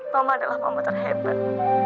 mama adalah mama terhebat